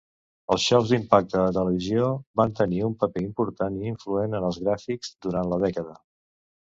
Els xous d'impacte de televisió van tenir un paper important i influent en els gràfics durant la dècada.